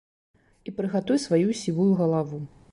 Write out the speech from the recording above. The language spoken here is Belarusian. І прыгатуй сваю сівую галаву.